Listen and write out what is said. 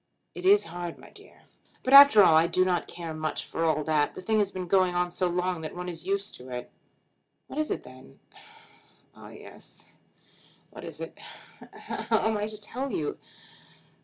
"It is hard, my dear." "But after all I do not care much for all that. The thing has been going on so long that one is used to it." "What is it then?" "Ah; yes; what is it? How am I to tell you?"